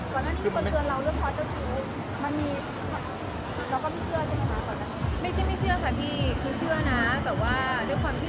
เพิ่มเมืองเร็วต้องคิด